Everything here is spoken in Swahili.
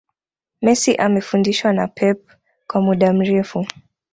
Messi amefundishwa na pep kwa muda mrefu